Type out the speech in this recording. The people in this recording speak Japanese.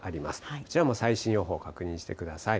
こちらも最新予報確認してください。